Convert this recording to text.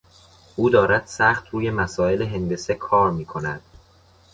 او دارد سخت روی مسائل هندسه کار میکند.